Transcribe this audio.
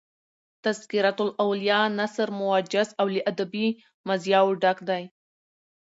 "تذکرةالاولیاء" نثر موجز او له ادبي مزایاو ډک دﺉ.